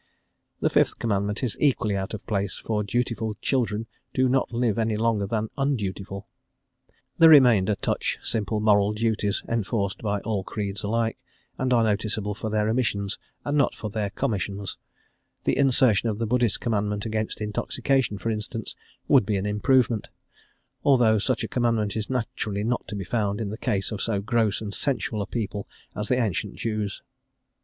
The fifth Commandment is equally out of place, for dutiful children do not live any longer than undutiful. The remainder touch simple moral duties, enforced by all creeds alike, and are noticeable for their omissions and not for their commissions: the insertion of the Buddhist Commandment against intoxication, for instance, would be an improvement, although such a commandment is naturally not to be found in the case of so gross and sensual a people as the ancient Jews.